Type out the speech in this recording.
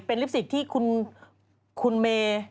เป็นลิปสิกที่คุณเมย์